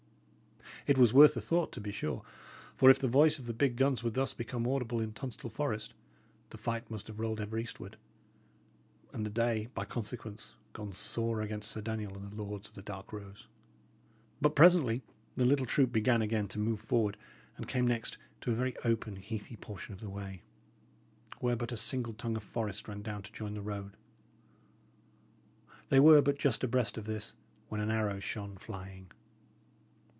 It was worth a thought, to be sure; for if the voice of the big guns were thus become audible in Tunstall Forest, the fight must have rolled ever eastward, and the day, by consequence, gone sore against Sir Daniel and the lords of the dark rose. But presently the little troop began again to move forward, and came next to a very open, heathy portion of the way, where but a single tongue of forest ran down to join the road. They were but just abreast of this, when an arrow shone flying.